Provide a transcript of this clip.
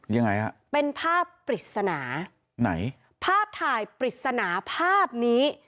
ยังไงฮะเป็นภาพปริศนาไหนภาพถ่ายปริศนาภาพนี้